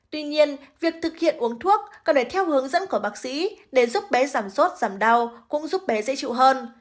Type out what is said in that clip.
tuy nhiên việc thực hiện uống thuốc cần phải theo hướng dẫn của bác sĩ để giúp bé giảm sốt giảm đau cũng giúp bé dễ chịu hơn